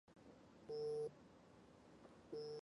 原县级贵池市改设贵池区。